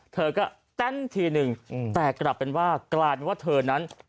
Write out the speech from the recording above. เธอก็แต้นทีหนึ่งแตกลับเป็นว่าเธอนั้น